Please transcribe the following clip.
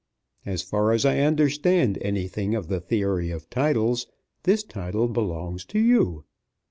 As far as I understand anything of the theory of titles, this title belongs to you.